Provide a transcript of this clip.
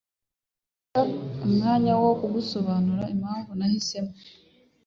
Ndashaka umwanya wo gusobanura impamvu nahisemo.